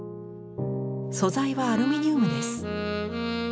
素材はアルミニウムです。